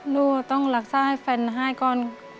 ลูกต้องรักษาให้แฟนให้ก่อน